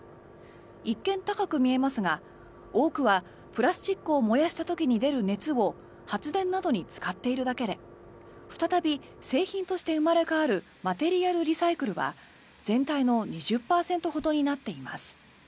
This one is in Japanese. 一見、高く見えますが多くはプラスチックを燃やした時に出る熱を発電などに使っているだけで再び製品として生まれ変わるマテリアルリサイクルは全体の２０％ほどになっています。